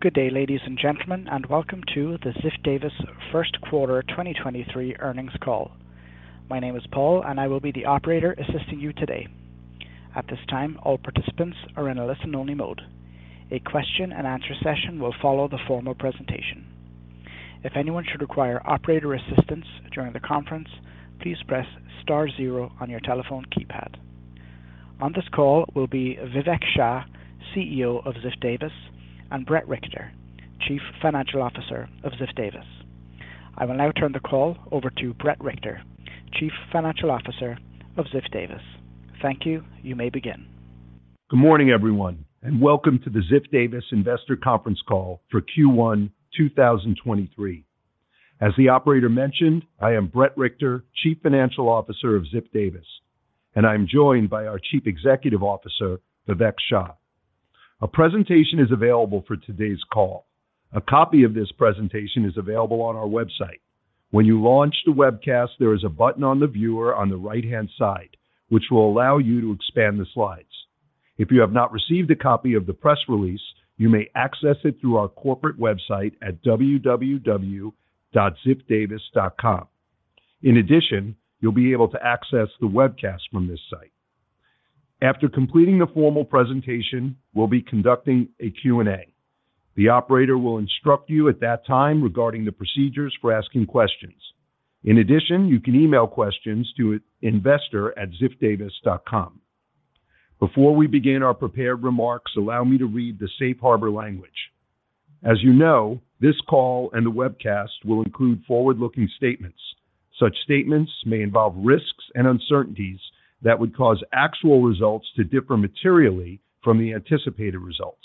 Good day, ladies and gentlemen, and welcome to the Ziff Davis 1st Quarter 2023 Earnings Call. My name is Paul and I will be the operator assisting you today. At this time, all participants are in a listen only mode. A question and answer session will follow the formal presentation. If anyone should require operator assistance during the conference, please press star 0 on your telephone keypad. On this call will be Vivek Shah, CEO of Ziff Davis, and Bret Richter, Chief Financial Officer of Ziff Davis. I will now turn the call over to Bret Richter, Chief Financial Officer of Ziff Davis. Thank you. You may begin. Good morning, everyone, welcome to the Ziff Davis Investor Conference Call for Q1 2023. As the operator mentioned, I am Bret Richter, Chief Financial Officer of Ziff Davis, I'm joined by our Chief Executive Officer, Vivek Shah. A presentation is available for today's call. A copy of this presentation is available on our website. When you launch the webcast, there is a button on the viewer on the right-hand side which will allow you to expand the slides. If you have not received a copy of the press release, you may access it through our corporate website at www.ziffdavis.com. In addition, you'll be able to access the webcast from this site. After completing the formal presentation, we'll be conducting a Q&A. The operator will instruct you at that time regarding the procedures for asking questions. In addition, you can email questions to investor@ziffdavis.com. Before we begin our prepared remarks, allow me to read the safe harbor language. As you know, this call and the webcast will include forward-looking statements. Such statements may involve risks and uncertainties that would cause actual results to differ materially from the anticipated results.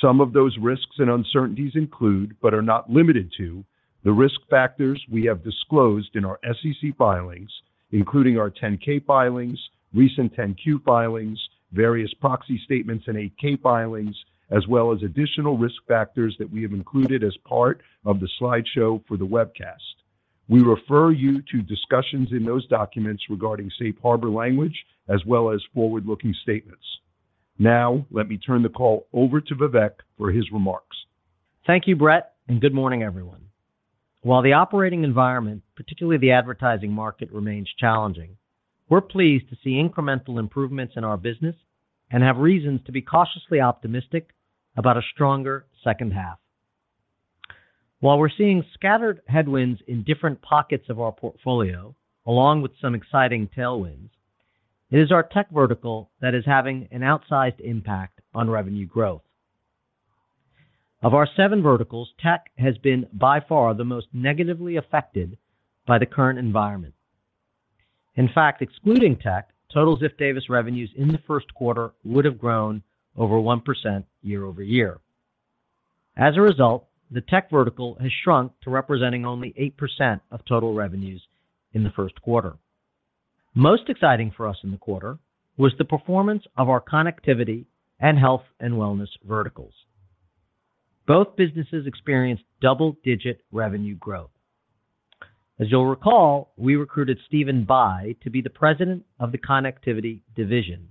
Some of those risks and uncertainties include, but are not limited to, the risk factors we have disclosed in our SEC filings, including our 10-K filings, recent 10-Q filings, various proxy statements, and 8-K filings, as well as additional risk factors that we have included as part of the slideshow for the webcast. We refer you to discussions in those documents regarding safe harbor language as well as forward-looking statements. Now let me turn the call over to Vivek for his remarks. Thank you, Bret. Good morning, everyone. While the operating environment, particularly the advertising market, remains challenging, we're pleased to see incremental improvements in our business and have reasons to be cautiously optimistic about a stronger second half. While we're seeing scattered headwinds in different pockets of our portfolio along with some exciting tailwinds, it is our tech vertical that is having an outsized impact on revenue growth. Of our seven verticals, tech has been by far the most negatively affected by the current environment. In fact, excluding tech, total Ziff Davis revenues in the first quarter would have grown over 1% year-over-year. As a result, the tech vertical has shrunk to representing only 8% of total revenues in the first quarter. Most exciting for us in the quarter was the performance of our connectivity and health and wellness verticals. Both businesses experienced double-digit revenue growth. As you'll recall, we recruited Stephen Bye to be the president of the Connectivity Division.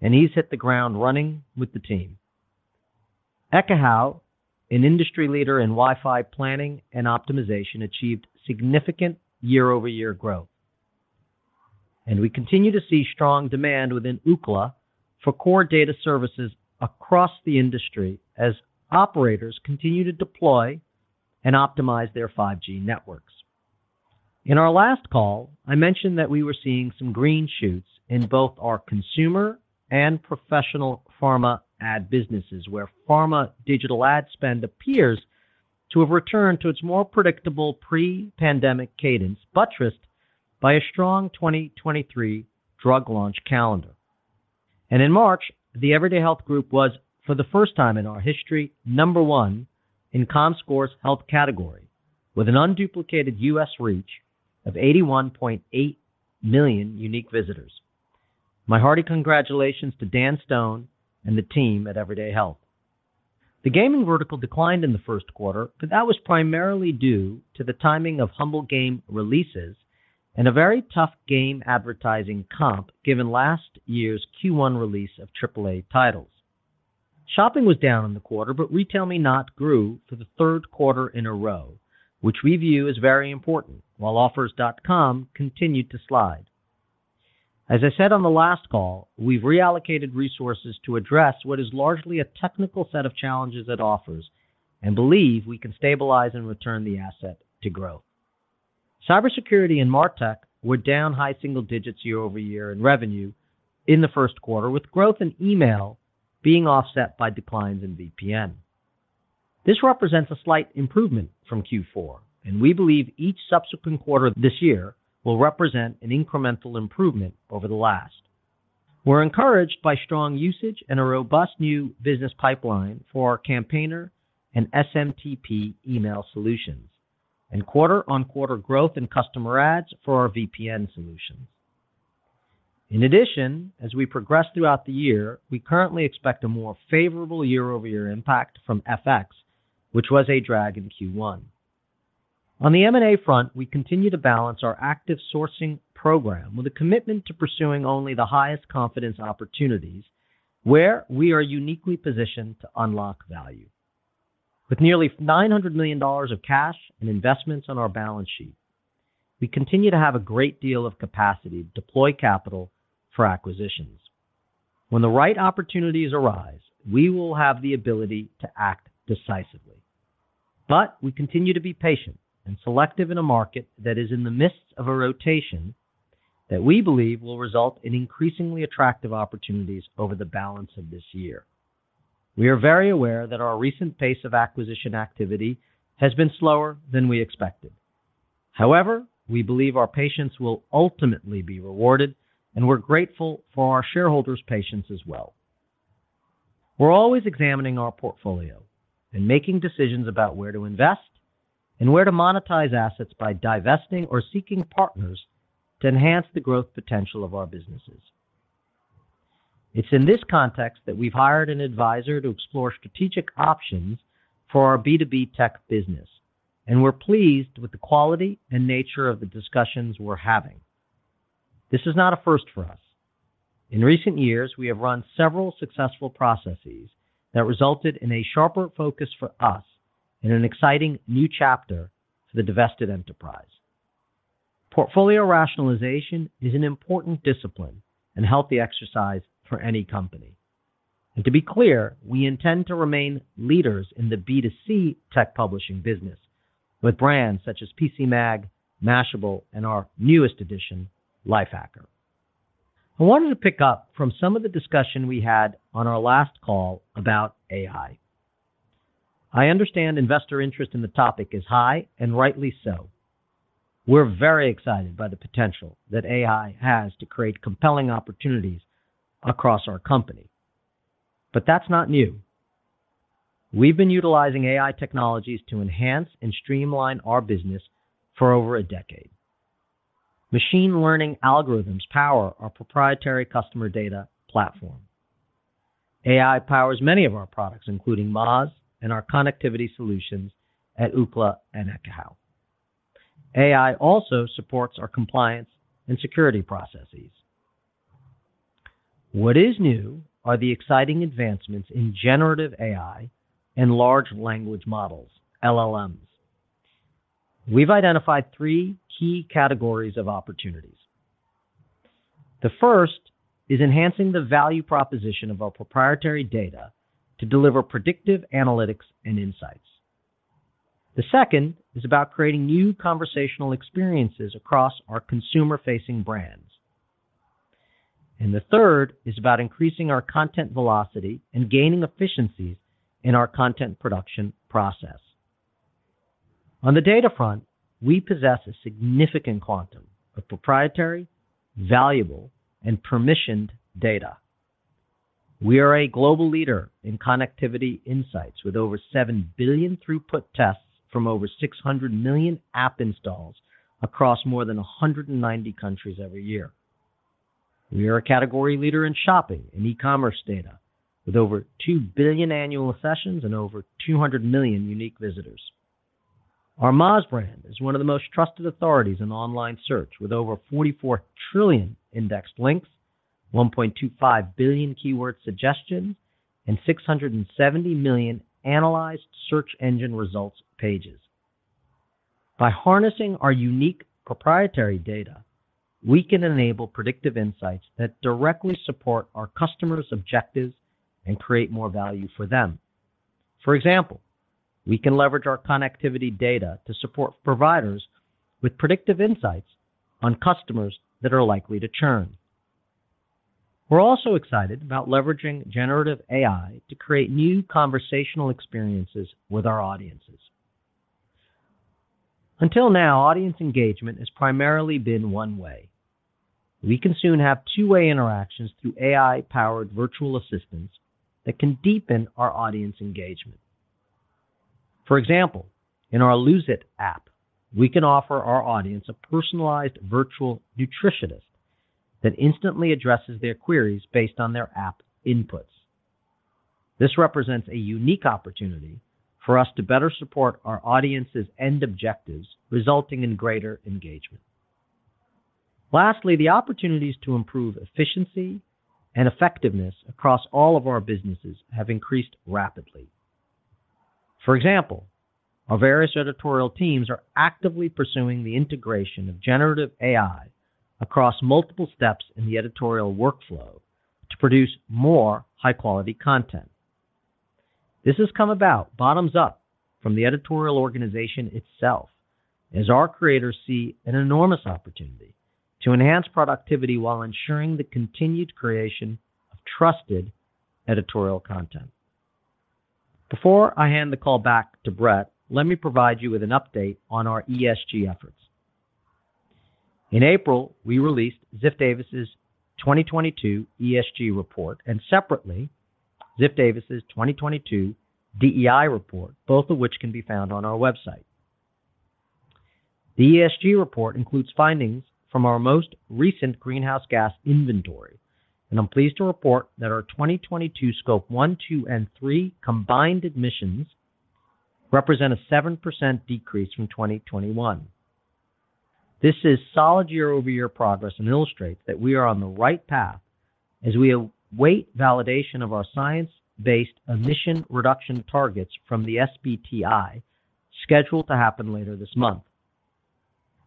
He's hit the ground running with the team. Ekahau, an industry leader in Wi-Fi planning and optimization, achieved significant year-over-year growth. We continue to see strong demand within Ookla for core data services across the industry as operators continue to deploy and optimize their 5G networks. In our last call, I mentioned that we were seeing some green shoots in both our consumer and professional pharma ad businesses, where pharma digital ad spend appears to have returned to its more predictable pre-pandemic cadence, buttressed by a strong 2023 drug launch calendar. In March, the Everyday Health Group was, for the first time in our history, number one in Comscore's health category with an unduplicated U.S. reach of 81.8 million unique visitors. My hearty congratulations to Dan Stone and the team at Everyday Health. The gaming vertical declined in the first quarter, but that was primarily due to the timing of Humble Games releases and a very tough game advertising comp given last year's Q1 release of AAA titles. Shopping was down in the quarter, but RetailMeNot grew for the third quarter in a row, which we view as very important. Offers.com continued to slide. As I said on the last call, we've reallocated resources to address what is largely a technical set of challenges at Offers and believe we can stabilize and return the asset to growth. Cybersecurity and MarTech were down high single digits year-over-year in revenue in the first quarter, with growth in email being offset by declines in VPN. This represents a slight improvement from Q4, and we believe each subsequent quarter this year will represent an incremental improvement over the last. We're encouraged by strong usage and a robust new business pipeline for Campaigner and SMTP email solutions and quarter-on-quarter growth in customer ads for our VPN solutions. In addition, as we progress throughout the year, we currently expect a more favorable year-over-year impact from FX, which was a drag in Q1. On the M&A front, we continue to balance our active sourcing program with a commitment to pursuing only the highest confidence opportunities where we are uniquely positioned to unlock value. With nearly $900 million of cash and investments on our balance sheet, we continue to have a great deal of capacity to deploy capital for acquisitions. When the right opportunities arise, we will have the ability to act decisively. We continue to be patient and selective in a market that is in the midst of a rotation that we believe will result in increasingly attractive opportunities over the balance of this year. We are very aware that our recent pace of acquisition activity has been slower than we expected. However, we believe our patience will ultimately be rewarded, and we're grateful for our shareholders' patience as well. We're always examining our portfolio and making decisions about where to invest and where to monetize assets by divesting or seeking partners to enhance the growth potential of our businesses. It's in this context that we've hired an advisor to explore strategic options for our B2B tech business, and we're pleased with the quality and nature of the discussions we're having. This is not a first for us. In recent years, we have run several successful processes that resulted in a sharper focus for us and an exciting new chapter for the divested enterprise. Portfolio rationalization is an important discipline and healthy exercise for any company. To be clear, we intend to remain leaders in the B2C tech publishing business with brands such as PCMag, Mashable, and our newest addition, Lifehacker. I wanted to pick up from some of the discussion we had on our last call about AI. I understand investor interest in the topic is high, and rightly so. We're very excited by the potential that AI has to create compelling opportunities across our company. That's not new. We've been utilizing AI technologies to enhance and streamline our business for over a decade. Machine learning algorithms power our proprietary customer data platform. AI powers many of our products, including Moz and our connectivity solutions at Ookla and Ekahau. AI also supports our compliance and security processes. What is new are the exciting advancements in generative AI and large language models, LLMs. We've identified three key categories of opportunities. The first is enhancing the value proposition of our proprietary data to deliver predictive analytics and insights. The second is about creating new conversational experiences across our consumer-facing brands. The third is about increasing our content velocity and gaining efficiencies in our content production process. On the data front, we possess a significant quantum of proprietary, valuable, and permissioned data. We are a global leader in connectivity insights with over 7 billion throughput tests from over 600 million app installs across more than 190 countries every year. We are a category leader in shopping and e-commerce data with over 2 billion annual sessions and over 200 million unique visitors. Our Moz brand is one of the most trusted authorities in online search with over 44 trillion indexed links, 1.25 billion keyword suggestions, and 670 million analyzed search engine results pages. By harnessing our unique proprietary data, we can enable predictive insights that directly support our customers' objectives and create more value for them. For example, we can leverage our connectivity data to support providers with predictive insights on customers that are likely to churn. We're also excited about leveraging generative AI to create new conversational experiences with our audiences. Until now, audience engagement has primarily been one way. We can soon have two-way interactions through AI-powered virtual assistants that can deepen our audience engagement. For example, in our Lose It! app, we can offer our audience a personalized virtual nutritionist that instantly addresses their queries based on their app inputs. This represents a unique opportunity for us to better support our audience's end objectives, resulting in greater engagement. Lastly, the opportunities to improve efficiency and effectiveness across all of our businesses have increased rapidly. For example, our various editorial teams are actively pursuing the integration of generative AI across multiple steps in the editorial workflow to produce more high-quality content. This has come about bottoms up from the editorial organization itself as our creators see an enormous opportunity to enhance productivity while ensuring the continued creation of trusted editorial content. Before I hand the call back to Bret, let me provide you with an update on our ESG efforts. In April, we released Ziff Davis' 2022 ESG report, and separately, Ziff Davis' 2022 DEI report, both of which can be found on our website. The ESG report includes findings from our most recent greenhouse gas inventory. I'm pleased to report that our 2022 Scope 1, 2, and 3 combined emissions represent a 7% decrease from 2021. This is solid year-over-year progress and illustrates that we are on the right path as we await validation of our science-based emission reduction targets from the SBTi scheduled to happen later this month.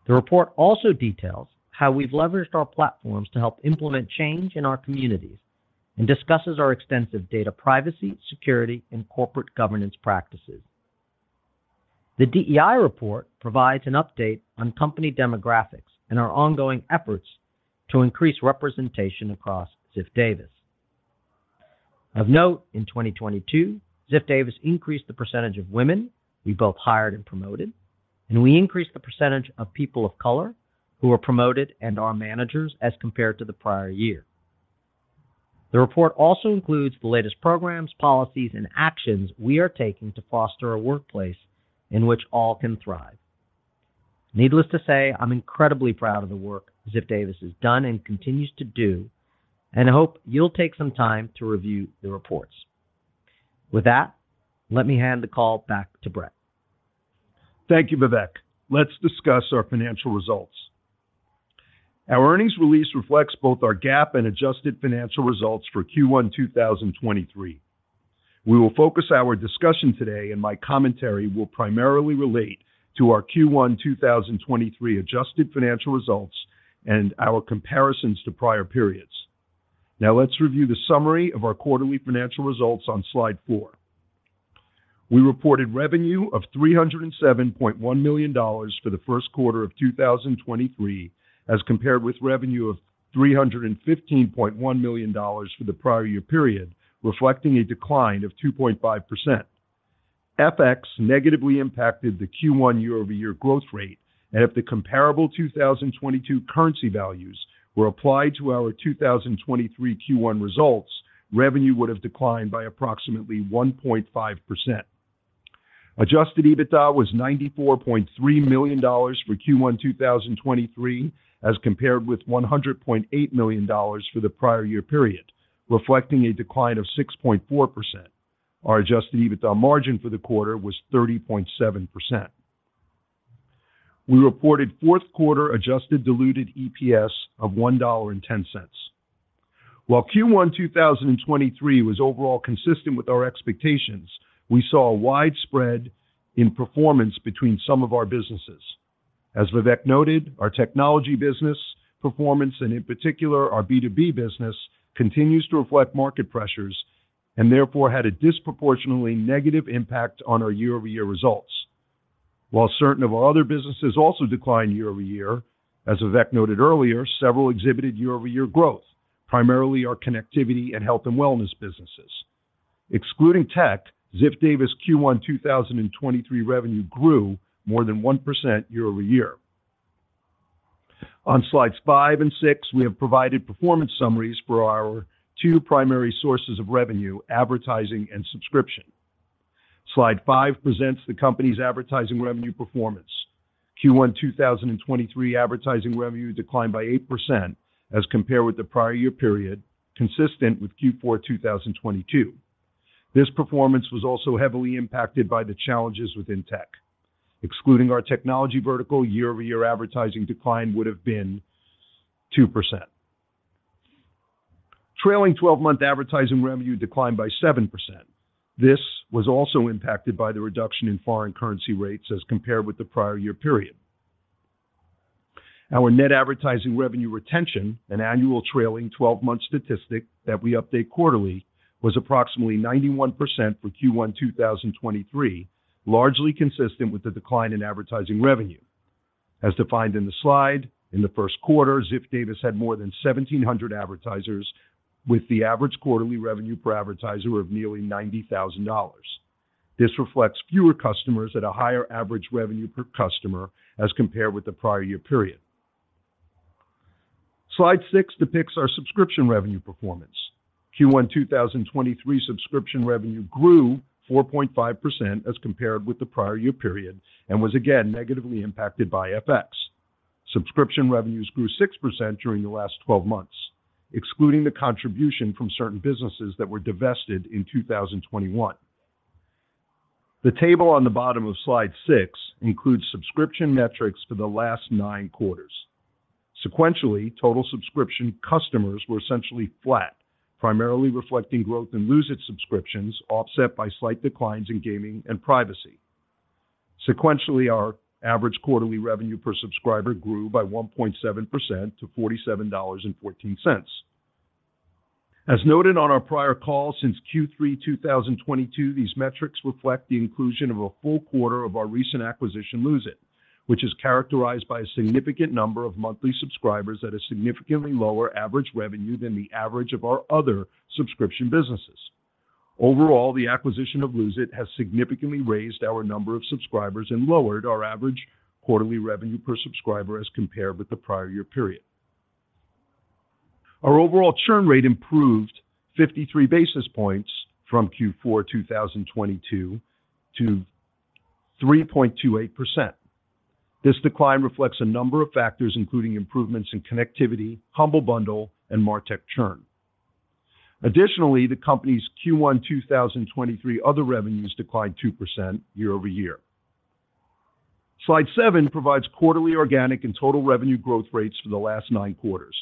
The report also details how we've leveraged our platforms to help implement change in our communities and discusses our extensive data privacy, security, and corporate governance practices. The DEI report provides an update on company demographics and our ongoing efforts to increase representation across Ziff Davis. Of note, in 2022, Ziff Davis increased the percentage of women we both hired and promoted. We increased the percentage of people of color who were promoted and are managers as compared to the prior year. The report also includes the latest programs, policies, and actions we are taking to foster a workplace in which all can thrive. Needless to say, I'm incredibly proud of the work Ziff Davis has done and continues to do, and I hope you'll take some time to review the reports. With that, let me hand the call back to Bret. Thank you, Vivek. Let's discuss our financial results. Our earnings release reflects both our GAAP and adjusted financial results for Q1 2023. We will focus our discussion today, my commentary will primarily relate to our Q1 2023 adjusted financial results and our comparisons to prior periods. Let's review the summary of our quarterly financial results on slide. We reported revenue of $307.1 million for the first quarter of 2023 as compared with revenue of $315.1 million for the prior year period, reflecting a decline of 2.5%. FX negatively impacted the Q1 year-over-year growth rate, if the comparable 2022 currency values were applied to our 2023 Q1 results, revenue would have declined by approximately 1.5%. Adjusted EBITDA was $94.3 million for Q1 2023 as compared with $100.8 million for the prior year period, reflecting a decline of 6.4%. Our adjusted EBITDA margin for the quarter was 30.7%. We reported fourth quarter adjusted diluted EPS of $1.10. While Q1 2023 was overall consistent with our expectations, we saw a widespread in performance between some of our businesses. As Vivek noted, our technology business performance, and in particular, our B2B business, continues to reflect market pressures and therefore had a disproportionately negative impact on our year-over-year results. While certain of our other businesses also declined year-over-year, as Vivek noted earlier, several exhibited year-over-year growth, primarily our connectivity and health and wellness businesses. Excluding tech, Ziff Davis Q1 2023 revenue grew more than 1% year-over-year. On slides five and six, we have provided performance summaries for our two primary sources of revenue, advertising and subscription. Slide five presents the company's advertising revenue performance. Q1 2023 advertising revenue declined by 8% as compared with the prior year period, consistent with Q4 2022. This performance was also heavily impacted by the challenges within tech. Excluding our technology vertical, year-over-year advertising decline would have been 2%. Trailing 12-month advertising revenue declined by 7%. This was also impacted by the reduction in foreign currency rates as compared with the prior year period. Our net advertising revenue retention, an annual trailing 12-month statistic that we update quarterly, was approximately 91% for Q1 2023, largely consistent with the decline in advertising revenue. As defined in the slide, in the first quarter, Ziff Davis had more than 1,700 advertisers with the average quarterly revenue per advertiser of nearly $90,000. This reflects fewer customers at a higher average revenue per customer as compared with the prior year period. Slide six depicts our subscription revenue performance. Q1 2023 subscription revenue grew 4.5% as compared with the prior year period and was again negatively impacted by FX. Subscription revenues grew 6% during the last 12 months, excluding the contribution from certain businesses that were divested in 2021. The table on the bottom of slide six includes subscription metrics for the last nine quarters. Sequentially, total subscription customers were essentially flat, primarily reflecting growth in Lose It! subscriptions offset by slight declines in gaming and privacy. Sequentially, our average quarterly revenue per subscriber grew by 1.7% to $47.14. As noted on our prior call, since Q3 2022, these metrics reflect the inclusion of a full quarter of our recent acquisition, Lose It!, which is characterized by a significant number of monthly subscribers at a significantly lower average revenue than the average of our other subscription businesses. Overall, the acquisition of Lose It! has significantly raised our number of subscribers and lowered our average quarterly revenue per subscriber as compared with the prior year period. Our overall churn rate improved 53 basis points from Q4 2022 to 3.28%. This decline reflects a number of factors, including improvements in connectivity, Humble Bundle, and MarTech churn. Additionally, the company's Q1 2023 other revenues declined 2% year-over-year. Slide seven provides quarterly organic and total revenue growth rates for the last nine quarters.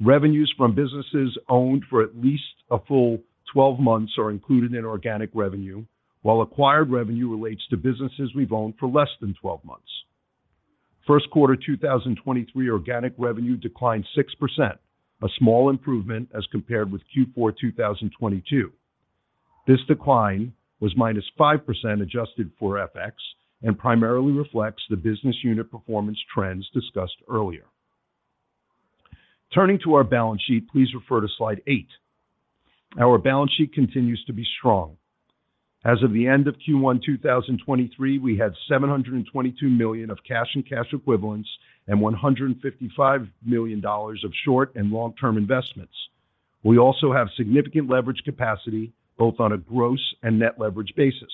Revenues from businesses owned for at least a full 12 months are included in organic revenue, while acquired revenue relates to businesses we've owned for less than 12 months. First quarter 2023 organic revenue declined 6%, a small improvement as compared with Q4 2022. This decline was -5% adjusted for FX and primarily reflects the business unit performance trends discussed earlier. Turning to our balance sheet, please refer to Slide eight. Our balance sheet continues to be strong. As of the end of Q1 2023, we had $722 million of cash and cash equivalents and $155 million of short and long-term investments. We also have significant leverage capacity, both on a gross and net leverage basis.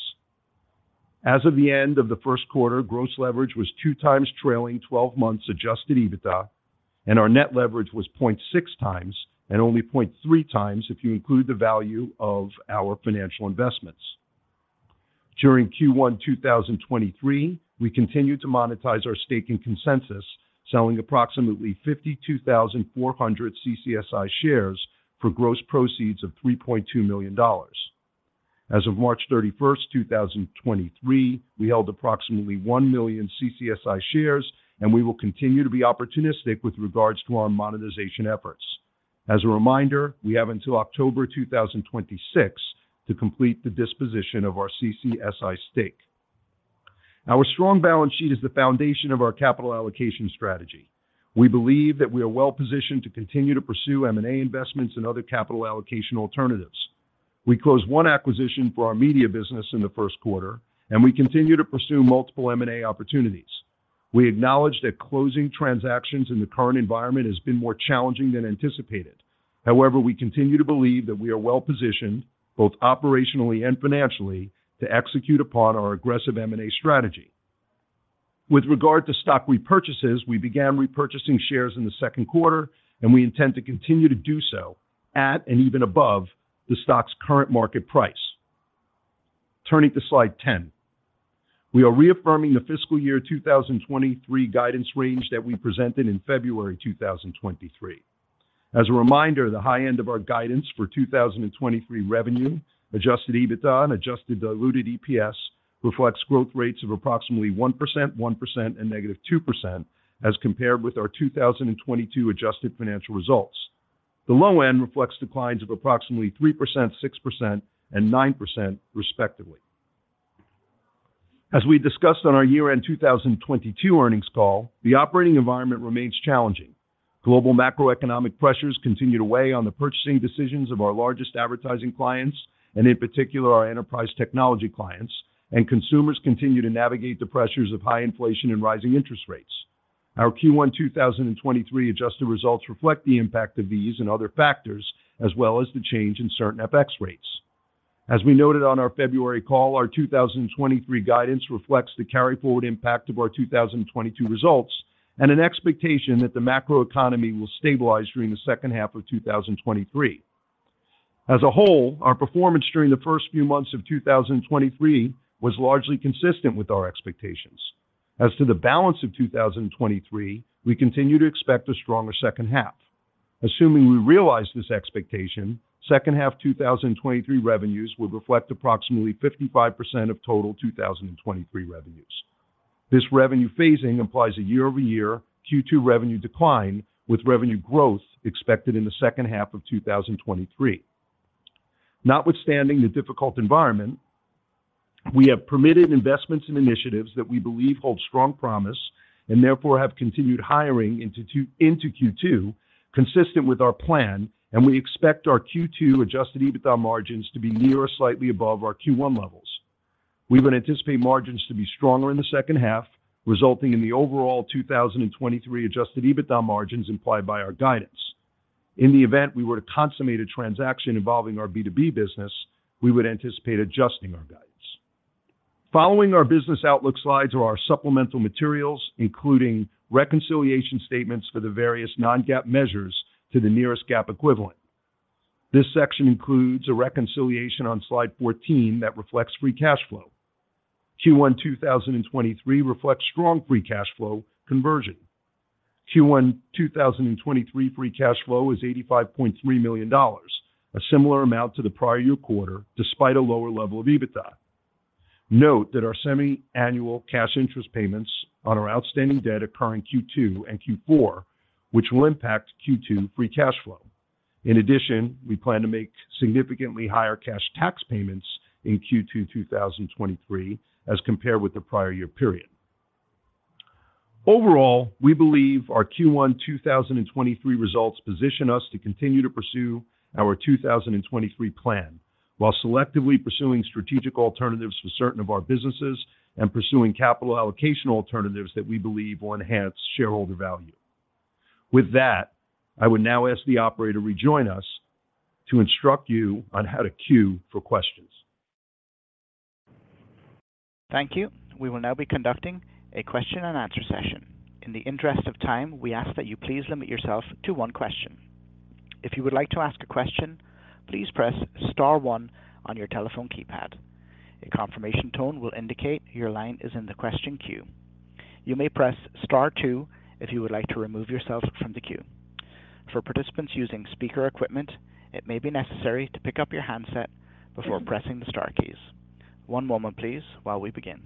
As of the end of the first quarter, gross leverage was two times trailing 12 months adjusted EBITDA. Our net leverage was 0.6 times and only 0.3 times if you include the value of our financial investments. During Q1 2023, we continued to monetize our stake in Consensus Cloud Solutions, selling approximately 52,400 CCSI shares for gross proceeds of $3.2 million. As of March 31st, 2023, we held approximately 1 million CCSI shares. We will continue to be opportunistic with regards to our monetization efforts. As a reminder, we have until October 2026 to complete the disposition of our CCSI stake. Our strong balance sheet is the foundation of our capital allocation strategy. We believe that we are well-positioned to continue to pursue M&A investments and other capital allocation alternatives. We closed one acquisition for our media business in the first quarter, and we continue to pursue multiple M&A opportunities. We acknowledge that closing transactions in the current environment has been more challenging than anticipated. However, we continue to believe that we are well-positioned, both operationally and financially, to execute upon our aggressive M&A strategy. With regard to stock repurchases, we began repurchasing shares in the second quarter, and we intend to continue to do so at and even above the stock's current market price. Turning to slide 10. We are reaffirming the fiscal year 2023 guidance range that we presented in February 2023. As a reminder, the high end of our guidance for 2023 revenue, adjusted EBITDA, and adjusted diluted EPS reflects growth rates of approximately 1%, 1%, and -2% as compared with our 2022 adjusted financial results. The low end reflects declines of approximately 3%, 6%, and 9% respectively. As we discussed on our year-end 2022 earnings call, the operating environment remains challenging. Global macroeconomic pressures continue to weigh on the purchasing decisions of our largest advertising clients, and in particular, our enterprise technology clients, and consumers continue to navigate the pressures of high inflation and rising interest rates. Our Q1 2023 adjusted results reflect the impact of these and other factors, as well as the change in certain FX rates. As we noted on our February call, our 2023 guidance reflects the carry forward impact of our 2022 results and an expectation that the macroeconomy will stabilize during the second half of 2023. As a whole, our performance during the first few months of 2023 was largely consistent with our expectations. As to the balance of 2023, we continue to expect a stronger second half. Assuming we realize this expectation, second half 2023 revenues will reflect approximately 55% of total 2023 revenues. This revenue phasing implies a year-over-year Q2 revenue decline, with revenue growth expected in the second half of 2023. Notwithstanding the difficult environment, we have permitted investments and initiatives that we believe hold strong promise and therefore have continued hiring into Q2 consistent with our plan, and we expect our Q2 adjusted EBITDA margins to be near or slightly above our Q1 levels. We would anticipate margins to be stronger in the second half, resulting in the overall 2023 adjusted EBITDA margins implied by our guidance. In the event we were to consummate a transaction involving our B2B business, we would anticipate adjusting our guidance. Following our business outlook slides are our supplemental materials, including reconciliation statements for the various non-GAAP measures to the nearest GAAP equivalent. This section includes a reconciliation on slide 14 that reflects free cash flow. Q1 2023 reflects strong free cash flow conversion. Q1 2023 free cash flow is $85.3 million, a similar amount to the prior year quarter despite a lower level of EBITDA. Note that our semi-annual cash interest payments on our outstanding debt occur in Q2 and Q4, which will impact Q2 free cash flow. In addition, we plan to make significantly higher cash tax payments in Q2 2023 as compared with the prior year period. Overall, we believe our Q1 2023 results position us to continue to pursue our 2023 plan. While selectively pursuing strategic alternatives for certain of our businesses and pursuing capital allocation alternatives that we believe will enhance shareholder value. With that, I would now ask the operator to rejoin us to instruct you on how to queue for questions. Thank you. We will now be conducting a question-and-answer session. In the interest of time, we ask that you please limit yourself to one question. If you would like to ask a question, please press star one on your telephone keypad. A confirmation tone will indicate your line is in the question queue. You may press star two if you would like to remove yourself from the queue. For participants using speaker equipment, it may be necessary to pick up your handset before pressing the star keys. One moment, please, while we begin.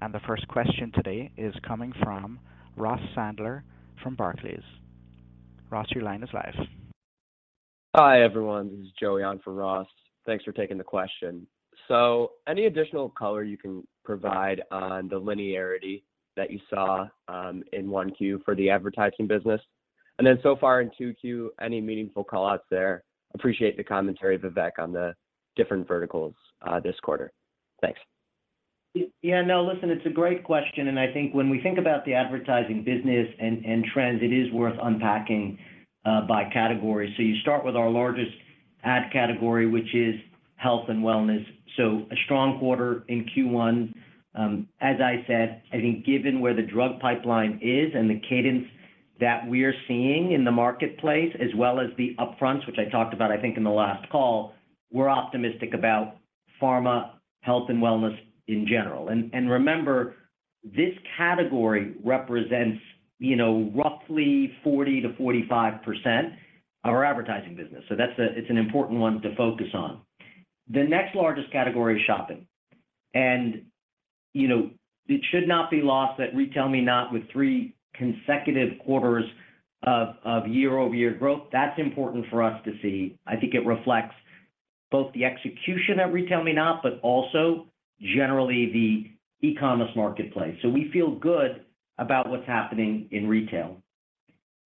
The first question today is coming from Ross Sandler from Barclays. Ross, your line is live. Hi, everyone. This is Joey on for Ross. Thanks for taking the question. So, any additional color you can provide on the linearity that you saw in 1Q for the advertising business? So far in 2Q, any meaningful call-outs there? Appreciate the commentary, Vivek, on the different verticals this quarter. Thanks. Yeah. No, listen, it's a great question. I think when we think about the advertising business and trends, it is worth unpacking by category. You start with our largest ad category, which is health and wellness. A strong quarter in Q1. As I said, I think given where the drug pipeline is and the cadence that we're seeing in the marketplace as well as the upfront, which I talked about, I think in the last call, we're optimistic about pharma, health and wellness in general. Remember, this category represents, you know, roughly 40%-45% our advertising business. It's an important one to focus on. The next largest category is shopping. You know, it should not be lost at RetailMeNot with three consecutive quarters of year-over-year growth. That's important for us to see. I think it reflects both the execution at RetailMeNot, but also generally the e-commerce marketplace. We feel good about what's happening in retail.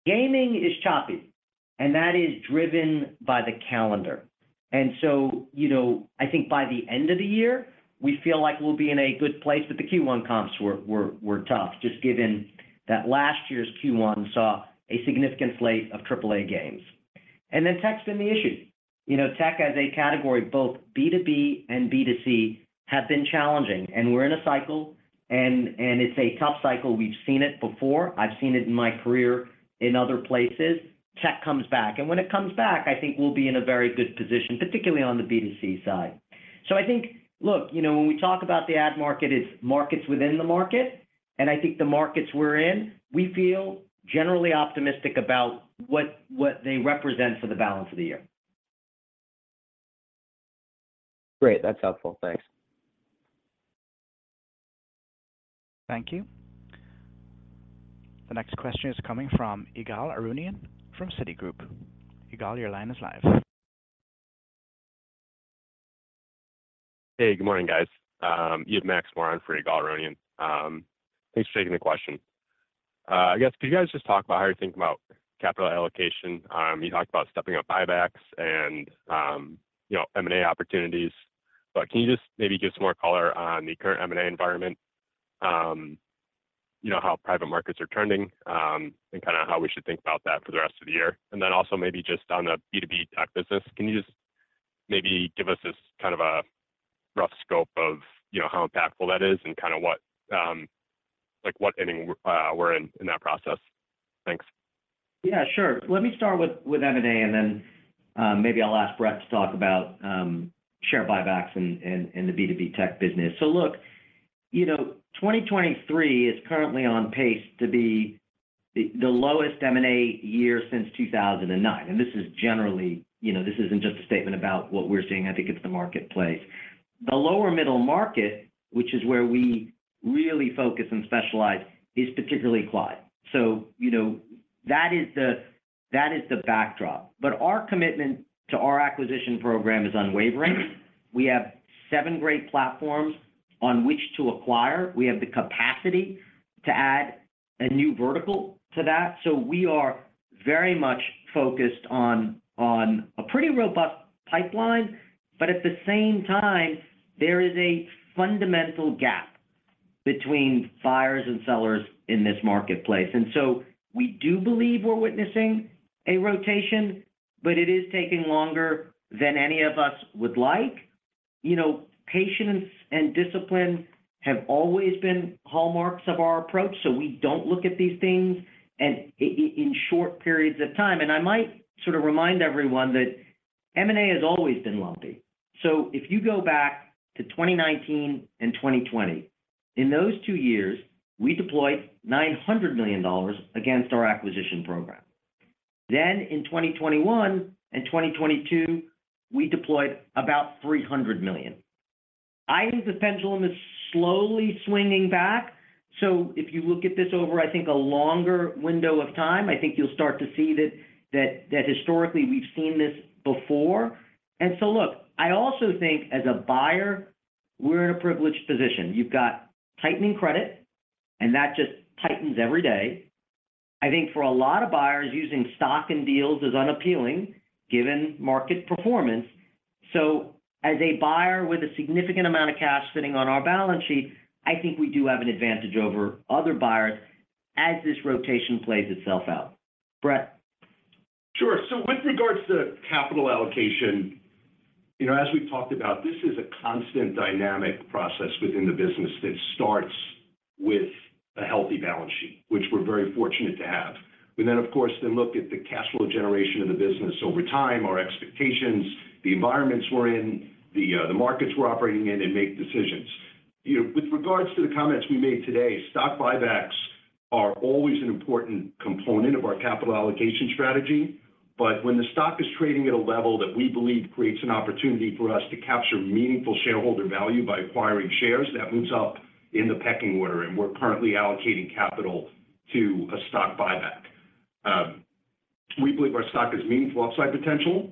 Gaming is choppy, and that is driven by the calendar. You know, I think by the end of the year, we feel like we'll be in a good place. The Q1 comps were tough just given that last year's Q1 saw a significant slate of AAA games. Then tech's been the issue. You know, tech as a category, both B2B and B2C, have been challenging. We're in a cycle and it's a tough cycle. We've seen it before. I've seen it in my career in other places. Tech comes back. When it comes back, I think we'll be in a very good position, particularly on the B2C side. I think, look, you know, when we talk about the ad market, it's markets within the market, and I think the markets we're in, we feel generally optimistic about what they represent for the balance of the year. Great. That's helpful. Thanks. Thank you. The next question is coming from Ygal Arounian from Citigroup. Igal, your line is live. Hey, good morning, guys. You have Max for Ygal Arounian. Thanks for taking the question. I guess could you guys just talk about how you think about capital allocation? You talked about stepping up buybacks and, you know, M&A opportunities. Can you just maybe give some more color on the current M&A environment, you know, how private markets are turning, and kinda how we should think about that for the rest of the year? Also maybe just on the B2B tech business, can you just maybe give us this kind of a rough scope of, you know, how impactful that is and kinda what, like, what inning we're in in that process? Thanks. Yeah, sure. Let me start with M&A, then maybe I'll ask Bret to talk about share buybacks in the B2B tech business. You know, 2023 is currently on pace to be the lowest M&A year since 2009. This is generally, you know, this isn't just a statement about what we're seeing. I think it's the marketplace. The lower middle market, which is where we really focus and specialize, is particularly quiet. You know, that is the backdrop. Our commitment to our acquisition program is unwavering. We have seven great platforms on which to acquire. We have the capacity to add a new vertical to that. We are very much focused on a pretty robust pipeline. At the same time, there is a fundamental gap between buyers and sellers in this marketplace. We do believe we're witnessing a rotation, but it is taking longer than any of us would like. You know, patience and discipline have always been hallmarks of our approach, we don't look at these things in short periods of time. I might sort of remind everyone that M&A has always been lumpy. If you go back to 2019 and 2020, in those two years, we deployed $900 million against our acquisition program. In 2021 and 2022, we deployed about $300 million. I think the pendulum is slowly swinging back. If you look at this over, I think, a longer window of time, I think you'll start to see that historically we've seen this before. Look, I also think as a buyer, we're in a privileged position. You've got tightening credit. That just tightens every day. I think for a lot of buyers using stock and deals is unappealing given market performance. As a buyer with a significant amount of cash sitting on our balance sheet, I think we do have an advantage over other buyers as this rotation plays itself out. Bret? Sure. With regards to capital allocation, you know, as we've talked about, this is a constant dynamic process within the business that starts with a healthy balance sheet, which we're very fortunate to have. We then, of course, then look at the cash flow generation of the business over time, our expectations, the environments we're in, the markets we're operating in and make decisions. You know, with regards to the comments we made today, stock buybacks are always an important component of our capital allocation strategy. When the stock is trading at a level that we believe creates an opportunity for us to capture meaningful shareholder value by acquiring shares, that moves up in the pecking order, and we're currently allocating capital to a stock buyback. We believe our stock has meaningful upside potential,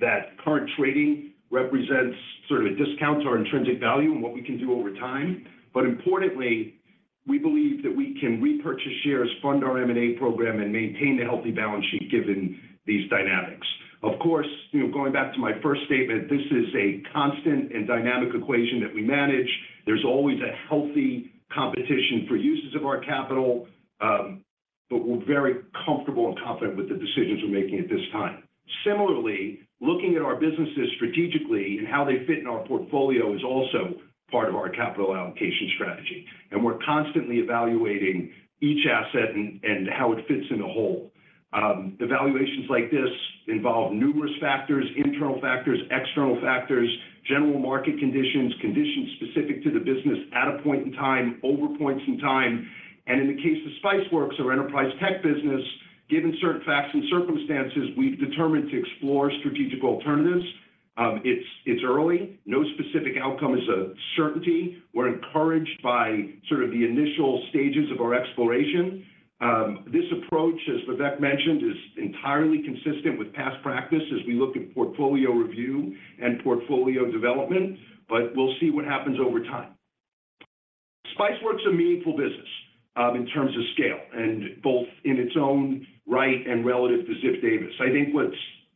that current trading represents sort of a discount to our intrinsic value and what we can do over time. Importantly, we believe that we can repurchase shares, fund our M&A program, and maintain a healthy balance sheet given these dynamics. Of course, you know, going back to my first statement, this is a constant and dynamic equation that we manage. There's always a healthy competition for uses of our capital, but we're very comfortable and confident with the decisions we're making at this time. Similarly, looking at our businesses strategically and how they fit in our portfolio is also part of our capital allocation strategy. We're constantly evaluating each asset and how it fits in a whole. Evaluations like this involve numerous factors, internal factors, external factors, general market conditions specific to the business at a point in time, over points in time. In the case of Spiceworks, our enterprise tech business, given certain facts and circumstances, we've determined to explore strategic alternatives. It's early. No specific outcome is a certainty. We're encouraged by sort of the initial stages of our exploration. This approach, as Vivek mentioned, is entirely consistent with past practice as we look at portfolio review and portfolio development, we'll see what happens over time. Spiceworks a meaningful business, in terms of scale and both in its own right and relative to Ziff Davis. I think what's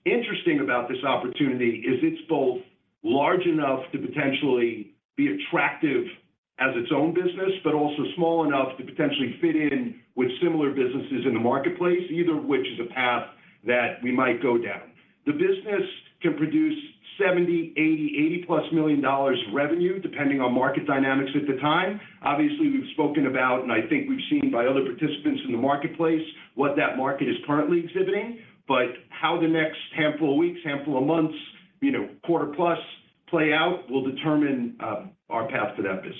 interesting about this opportunity is it's both large enough to potentially be attractive as its own business, but also small enough to potentially fit in with similar businesses in the marketplace, either of which is a path that we might go down. The business can produce $70 million, $80 million, $80+ million revenue, depending on market dynamics at the time. Obviously, we've spoken about and I think we've seen by other participants in the marketplace what that market is currently exhibiting. How the next handful of weeks, handful of months, you know, quarter-plus play out will determine our path to that business.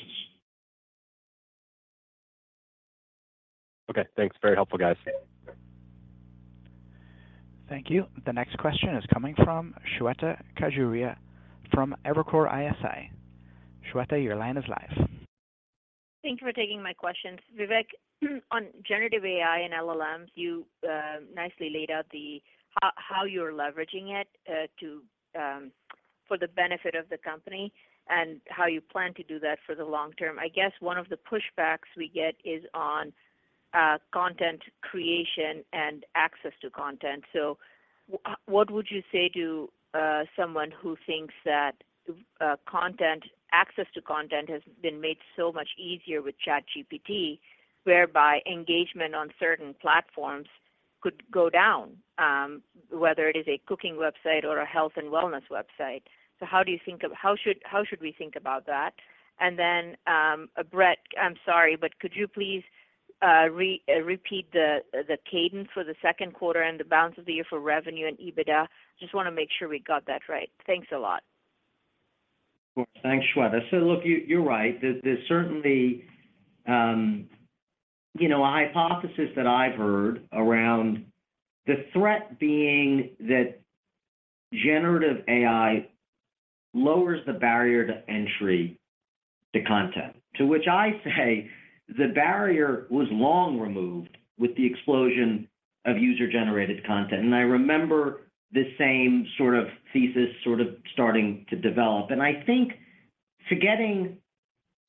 Okay, thanks. Very helpful, guys. Thank you. The next question is coming from Shweta Khajuria from Evercore ISI. Shweta, your line is live. Thank you for taking my questions. Vivek, on generative AI and LLMs, you nicely laid out how you're leveraging it to for the benefit of the company and how you plan to do that for the long term. I guess one of the pushbacks we get is on content creation and access to content. What would you say to someone who thinks that access to content has been made so much easier with ChatGPT, whereby engagement on certain platforms could go down, whether it is a cooking website or a health and wellness website? How should we think about that? Bret, I'm sorry, but could you please repeat the cadence for the second quarter and the balance of the year for revenue and EBITDA? Just wanna make sure we got that right. Thanks a lot. Of course. Thanks, Shweta. look, you're right. There's certainly, you know, a hypothesis that I've heard around the threat being that generative AI lowers the barrier to entry to content. To which I say the barrier was long removed with the explosion of user-generated content. I remember the same sort of thesis sort of starting to develop. I think forgetting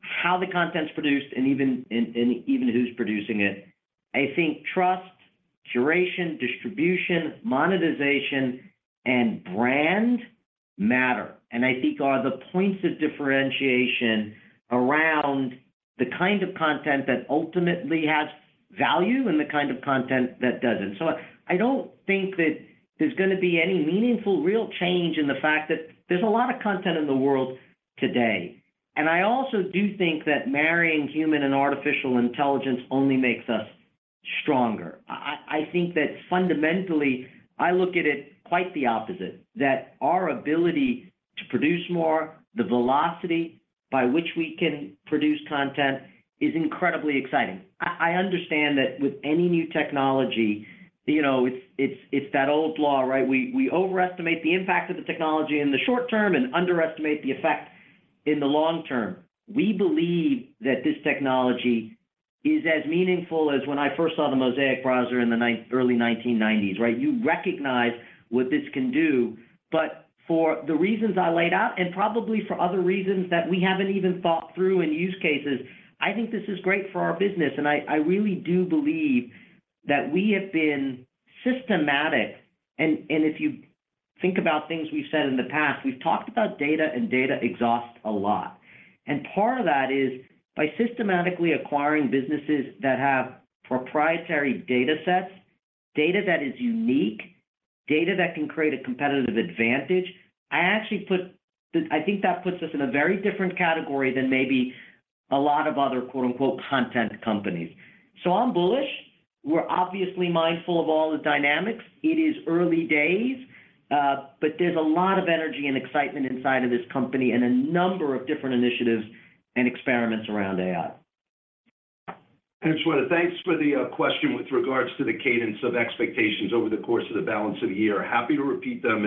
how the content's produced and even who's producing it, I think trust, curation, distribution, monetization, and brand matter. I think are the points of differentiation around the kind of content that ultimately has value and the kind of content that doesn't. I don't think that there's gonna be any meaningful, real change in the fact that there's a lot of content in the world today. I also do think that marrying human and artificial intelligence only makes us stronger. I think that fundamentally, I look at it quite the opposite, that our ability to produce more, the velocity by which we can produce content is incredibly exciting. I understand that with any new technology, you know, it's that old law, right? We overestimate the impact of the technology in the short term and underestimate the effect in the long term. We believe that this technology is as meaningful as when I first saw the Mosaic browser in the early 1990s, right? You recognize what this can do. For the reasons I laid out, and probably for other reasons that we haven't even thought through in use cases, I think this is great for our business. I really do believe that we have been systematic. If you think about things we've said in the past, we've talked about data and data exhaust a lot. Part of that is by systematically acquiring businesses that have proprietary datasets, data that is unique, data that can create a competitive advantage. I think that puts us in a very different category than maybe a lot of other quote-unquote, content companies. I'm bullish. We're obviously mindful of all the dynamics. It is early days, but there's a lot of energy and excitement inside of this company and a number of different initiatives and experiments around AI. Shweta, thanks for the question with regards to the cadence of expectations over the course of the balance of the year. Happy to repeat them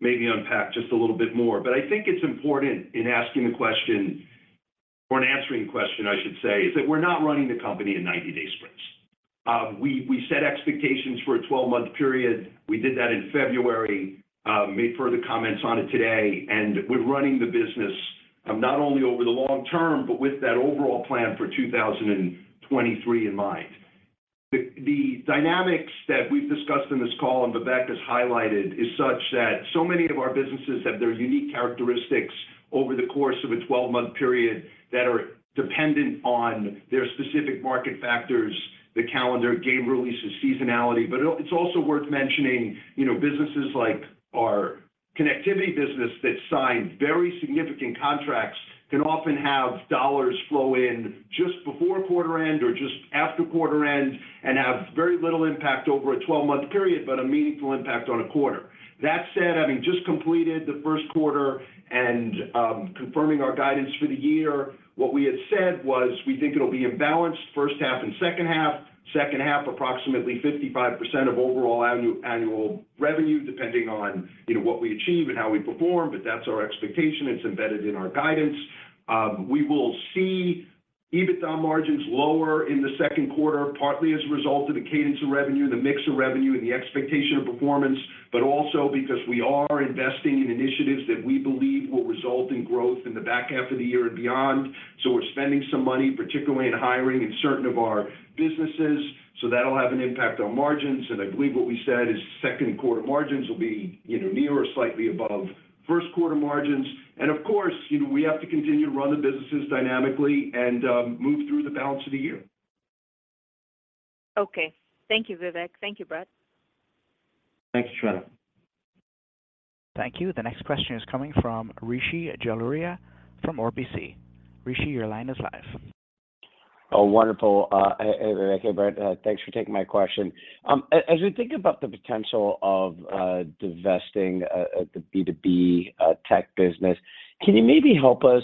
and maybe unpack just a little bit more. I think it's important in asking the question or in answering the question, I should say, is that we're not running the company in 90-day sprints. We set expectations for a 12-month period. We did that in February, made further comments on it today, and we're running the business not only over the long term, but with that overall plan for 2023 in mind. The dynamics that we've discussed in this call, and Vivek has highlighted, is such that so many of our businesses have their unique characteristics over the course of a 12-month period that are dependent on their specific market factors, the calendar, game releases, seasonality. It's also worth mentioning, you know, businesses like our connectivity business that signs very significant contracts can often have dollars flow in just before quarter end or just after quarter end and have very little impact over a 12-month period, but a meaningful impact on a quarter. That said, having just completed the first quarter and confirming our guidance for the year, what we had said was we think it'll be a balanced first half and second half. Second half, approximately 55% of overall annual revenue, depending on, you know, what we achieve and how we perform, but that's our expectation. It's embedded in our guidance. We will see EBITDA margins lower in the second quarter, partly as a result of the cadence of revenue, the mix of revenue, and the expectation of performance, but also because we are investing in initiatives that we believe will result in growth in the back half of the year and beyond. We're spending some money, particularly in hiring in certain of our businesses, so that'll have an impact on margins. I believe what we said is second quarter margins will be either near or slightly above first quarter margins. Of course, you know, we have to continue to run the businesses dynamically and move through the balance of the year. Okay. Thank you, Vivek. Thank you, Bret. Thanks, Shweta. Thank you. The next question is coming from Rishi Jaluria from RBC. Rishi, your line is live. Oh, wonderful. Hey, hey, Vivek. Hey, Bret. Thanks for taking my question. As you think about the potential of divesting the B2B tech business, can you maybe help us,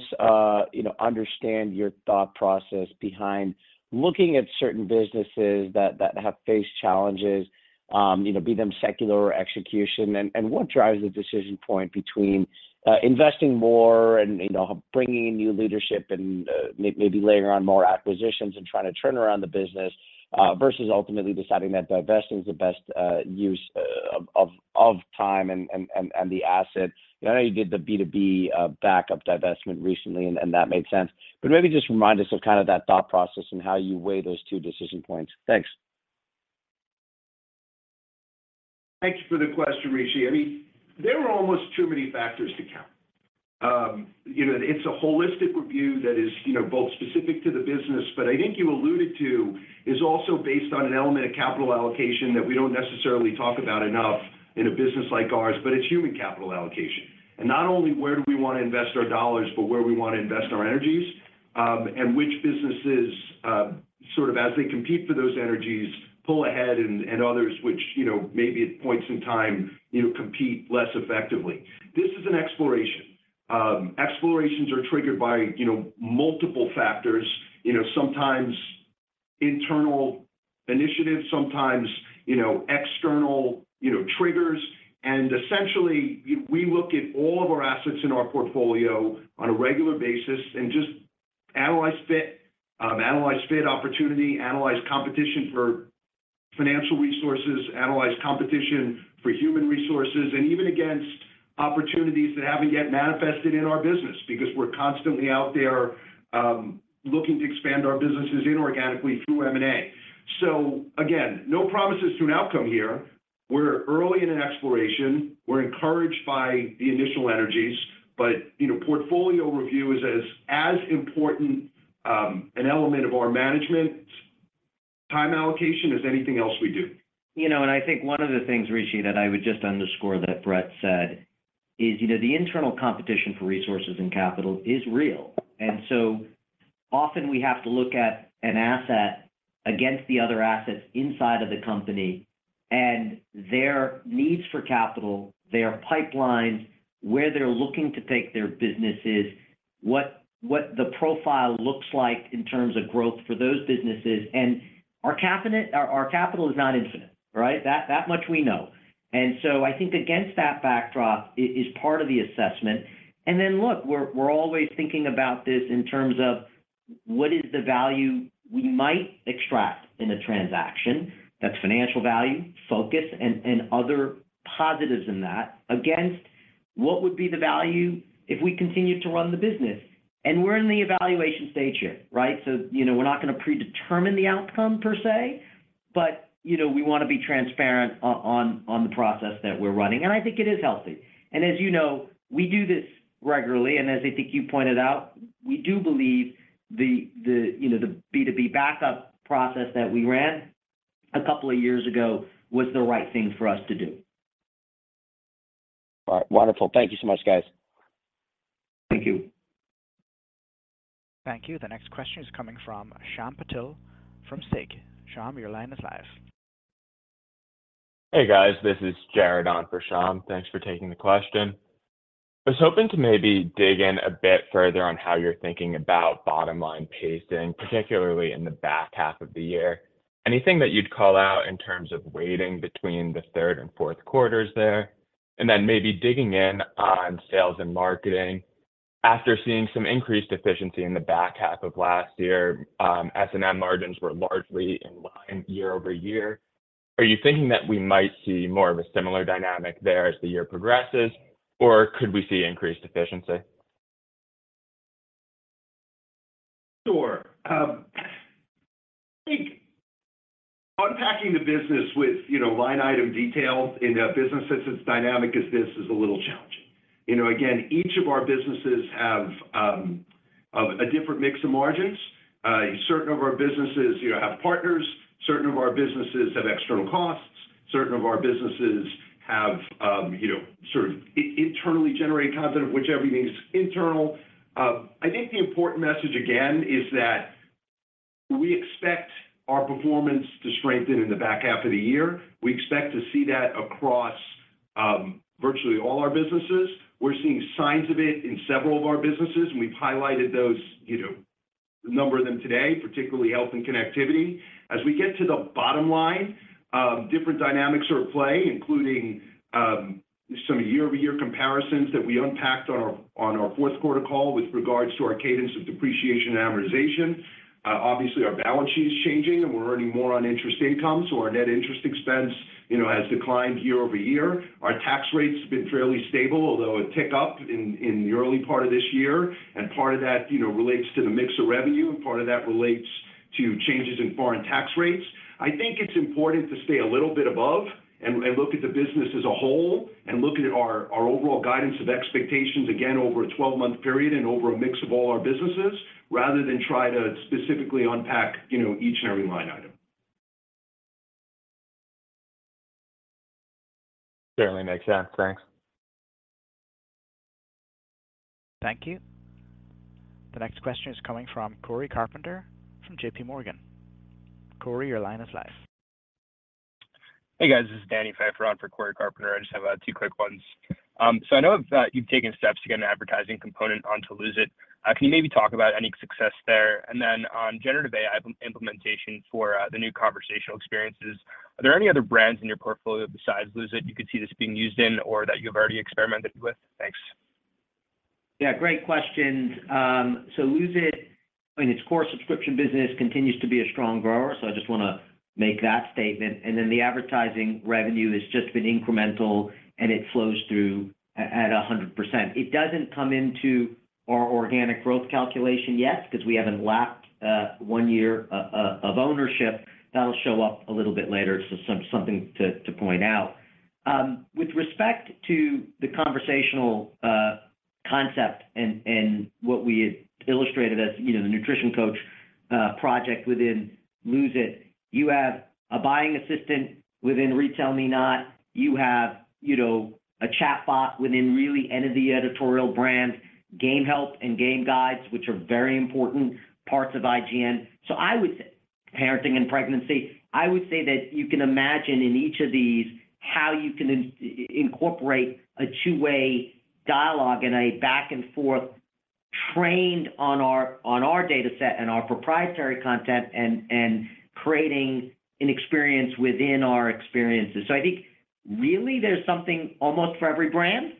you know, understand your thought process behind looking at certain businesses that have faced challenges, you know, be them secular or execution? What drives the decision point between investing more and, you know, bringing in new leadership and maybe later on more acquisitions and trying to turn around the business versus ultimately deciding that divesting is the best use of time and the asset? You know, I know you did the B2B backup divestment recently and that made sense. Maybe just remind us of kind of that thought process and how you weigh those two decision points. Thanks. Thanks for the question, Rishi. I mean, there are almost too many factors to count. You know, it's a holistic review that is, you know, both specific to the business, but I think you alluded to is also based on an element of capital allocation that we don't necessarily talk about enough in a business like ours, but it's human capital allocation. Not only where do we wanna invest our dollars, but where we wanna invest our energies, and which businesses, sort of as they compete for those energies, pull ahead and others which, you know, maybe at points in time, you know, compete less effectively. This is an exploration. Explorations are triggered by, you know, multiple factors, you know, sometimes internal initiatives, sometimes, you know, external, you know, triggers. Essentially, we look at all of our assets in our portfolio on a regular basis and just analyze fit, analyze fit opportunity, analyze competition for financial resources, analyze competition for human resources, and even against opportunities that haven't yet manifested in our business because we're constantly out there, looking to expand our businesses inorganically through M&A. Again, no promises to an outcome here. We're early in an exploration. We're encouraged by the initial energies, but, you know, portfolio review is as important an element of our management time allocation as anything else we do. You know, I think one of the things, Rishi, that I would just underscore that Bret said is, you know, the internal competition for resources and capital is real. So often we have to look at an asset against the other assets inside of the company and their needs for capital, their pipelines, where they're looking to take their businesses, what the profile looks like in terms of growth for those businesses. Our capital is not infinite, right? That much we know. I think against that backdrop is part of the assessment. Then look, we're always thinking about this in terms of what is the value we might extract in a transaction, that's financial value, focus, and other positives in that against what would be the value if we continued to run the business. We're in the evaluation stage here, right? you know, we're not gonna predetermine the outcome per se, but, you know, we wanna be transparent on the process that we're running, and I think it is healthy. as you know, we do this regularly, and as I think you pointed out, we do believe the, you know, the B2B backup process that we ran a couple of years ago was the right thing for us to do. All right. Wonderful. Thank you so much, guys. Thank you. Thank you. The next question is coming from Shyam Patil from SIG. Shyam, your line is live. Hey, guys. This is Jared on for Shyam. Thanks for taking the question. I was hoping to maybe dig in a bit further on how you're thinking about bottom-line pacing, particularly in the back half of the year. Anything that you'd call out in terms of weighting between the third and fourth quarters there? Then maybe digging in on sales and marketing. After seeing some increased efficiency in the back half of last year, S&M margins were largely in line year-over-year. Are you thinking that we might see more of a similar dynamic there as the year progresses, or could we see increased efficiency? Sure. I think unpacking the business with, you know, line item detail in a business that's as dynamic as this is a little challenging. You know, again, each of our businesses have a different mix of margins. A certain number of our businesses, you know, have partners. Certain of our businesses have external costs. Certain of our businesses have, you know, sort of internally generated content of which everything is internal. I think the important message again is that we expect our performance to strengthen in the back half of the year. We expect to see that across virtually all our businesses. We're seeing signs of it in several of our businesses, and we've highlighted those, you know, a number of them today, particularly health and connectivity. As we get to the bottom line, different dynamics are at play, including some year-over-year comparisons that we unpacked on our fourth quarter call with regards to our cadence of depreciation and amortization. Obviously, our balance sheet is changing, and we're earning more on interest income, so our net interest expense, you know, has declined year-over-year. Our tax rate's been fairly stable, although it ticked up in the early part of this year, and part of that, you know, relates to the mix of revenue, and part of that relates to changes in foreign tax rates. I think it's important to stay a little bit above and look at the business as a whole and look at our overall guidance of expectations again over a 12-month period and over a mix of all our businesses, rather than try to specifically unpack, you know, each and every line item. Certainly makes sense. Thanks. Thank you. The next question is coming from Cory Carpenter from JP Morgan. Corey, your line is live. Hey, guys. This is Danny Pfeiffer on for Cory Carpenter. I just have 2 quick ones. I know of, you've taken steps to get an advertising component onto Lose It!. Can you maybe talk about any success there? On generative AI implementation for the new conversational experiences, are there any other brands in your portfolio besides Lose It! you could see this being used in or that you have already experimented with? Thanks. Great questions. Lose It!, I mean, its core subscription business continues to be a strong grower. I just wanna make that statement. The advertising revenue has just been incremental, and it flows through at 100%. It doesn't come into our organic growth calculation yet 'cause we haven't lapped 1 year of ownership. That'll show up a little bit later. Something to point out. With respect to the conversational concept and what we had illustrated as, you know, the nutrition coach project within Lose It!, you have a buying assistant within RetailMeNot. You have, you know, a chatbot within really any of the editorial brands, game help and game guides, which are very important parts of IGN. I would say Parenting and pregnancy. I would say that you can imagine in each of these how you can incorporate a two-way dialogue and a back and forth trained on our dataset and our proprietary content and creating an experience within our experiences. I think really there's something almost for every brand.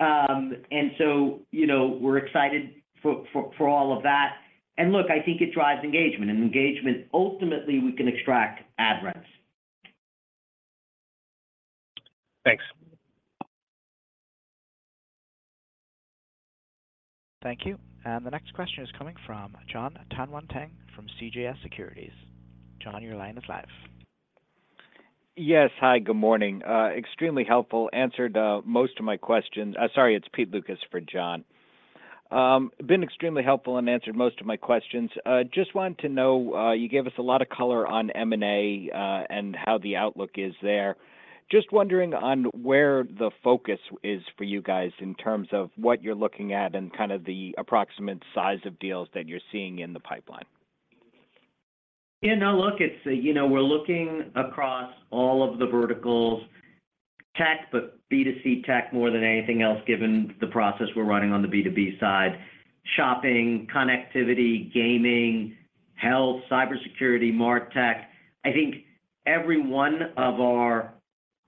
You know, we're excited for all of that. Look, I think it drives engagement. In engagement, ultimately, we can extract ad revs. Thanks. Thank you. The next question is coming from Jon Tanwanteng from CJS Securities. Jon, your line is live. Yes. Hi. Good morning. Sorry, it's Pete Lukas for John. Been extremely helpful and answered most of my questions. Just wanted to know. You gave us a lot of color on M&A and how the outlook is there. Just wondering on where the focus is for you guys in terms of what you're looking at and kind of the approximate size of deals that you're seeing in the pipeline? Yeah. No, look, it's, you know, we're looking across all of the verticals. Tech, but B2C tech more than anything else given the process we're running on the B2B side. Shopping, connectivity, gaming, health, cybersecurity, MarTech. I think every one of our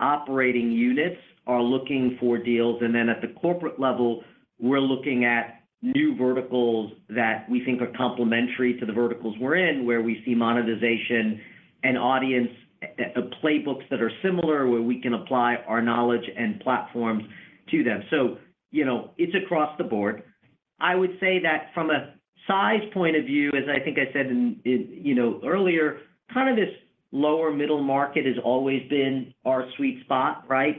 operating units are looking for deals. At the corporate level, we're looking at new verticals that we think are complementary to the verticals we're in, where we see monetization and audience playbooks that are similar, where we can apply our knowledge and platforms to them. You know, it's across the board. I would say that from a size point of view, as I think I said in, you know, earlier, kind of this lower middle market has always been our sweet spot, right?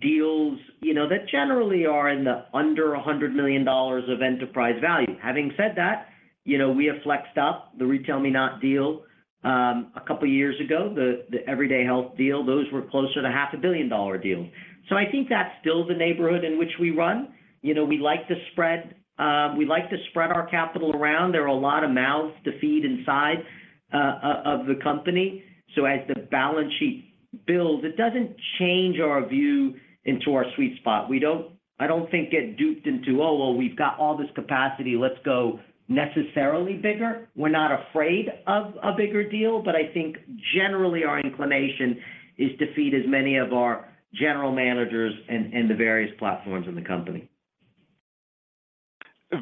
Deals, you know, that generally are in the under $100 million of enterprise value. Having said that, you know, we have flexed up the RetailMeNot deal, a couple years ago, the Everyday Health deal, those were closer to half a billion dollar deals. I think that's still the neighborhood in which we run. You know, we like to spread, we like to spread our capital around. There are a lot of mouths to feed inside of the company. As the balance sheet builds, it doesn't change our view into our sweet spot. I don't think get duped into, "Oh, well, we've got all this capacity, let's go necessarily bigger." We're not afraid of a bigger deal, I think generally our inclination is to feed as many of our general managers and the various platforms in the company.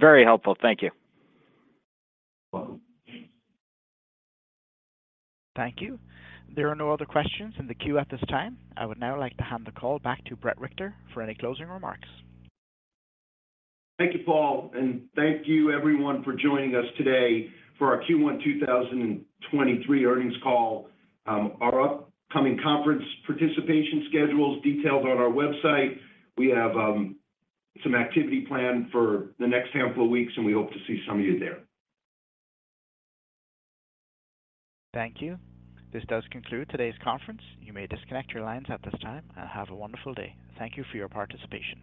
Very helpful. Thank you. Welcome. Thank you. There are no other questions in the queue at this time. I would now like to hand the call back to Bret Richter for any closing remarks. Thank you, Paul, and thank you everyone for joining us today for our Q1 2023 Earnings Call. Our upcoming conference participation schedule is detailed on our website. We have some activity planned for the next handful of weeks, and we hope to see some of you there. Thank you. This does conclude today's conference. You may disconnect your lines at this time, and have a wonderful day. Thank you for your participation.